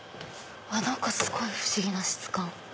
何かすごい不思議な質感。